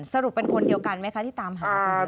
สรุปเป็นคนเดียวกันไหมคะที่ตามหาตรงนี้